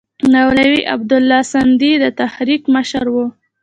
مولوي عبیدالله سندي د تحریک مشر وو.